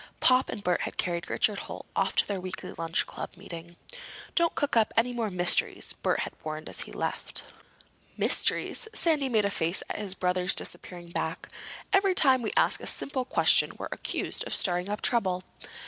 Pop and Bert had carried Richard Holt off to their weekly lunch club meeting. "Don't cook up any more mysteries," Bert had warned as he left. "Mysteries!" Sandy made a face at his brother's disappearing back. "Every time we ask a simple question we're accused of stirring up trouble."